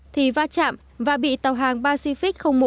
thì va chạm và bị tàu hàng pacific một đâm chạm